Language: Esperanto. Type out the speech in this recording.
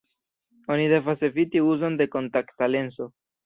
Oni devas eviti uzon de kontakta lenso.